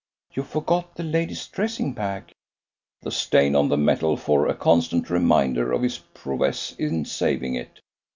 "You forgot the lady's dressing bag." "The stain on the metal for a constant reminder of his prowess in saving it!